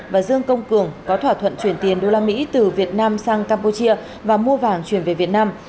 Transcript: và dương công cường có thỏa thuận chuyển tiền đô la mỹ từ việt nam sang campuchia và mua vàng chuyển về việt nam